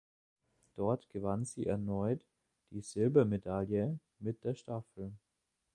Dort gewann sie erneut die Silbermedaille mit der Staffel.